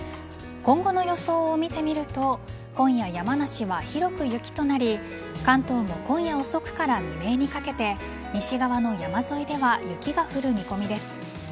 今後の予想を見てみると今夜、山梨は広く雪となり関東も今夜遅くから未明にかけて西側の山沿いでは雪が降る見込みです。